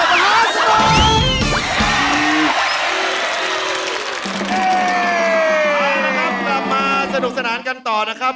เอาละครับกลับมาสนุกสนานกันต่อนะครับ